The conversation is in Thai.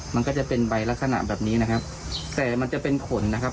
มันก็จะเป็นใบลักษณะแบบนี้นะครับแต่มันจะเป็นขนนะครับ